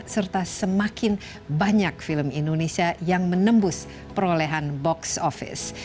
serta semakin banyak film indonesia yang menembus perolehan box office